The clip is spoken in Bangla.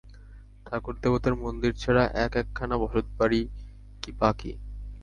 ঠাকুর-দেবতার মন্দির ছাড়া এক-একখানা বসতবাড়িই বা কি!